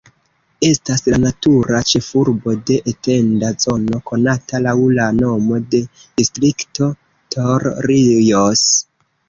Estas la natura ĉefurbo de etenda zono konata laŭ la nomo de Distrikto Torrijos.